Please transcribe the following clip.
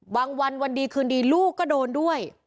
วันวันดีคืนดีลูกก็โดนด้วย